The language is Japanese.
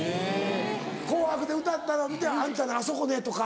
『紅白』で歌ったの見て「あんたねあそこね」とか？